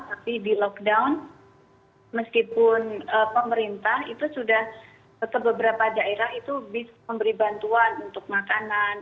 tapi di lockdown meskipun pemerintah itu sudah ke beberapa daerah itu bisa memberi bantuan untuk makanan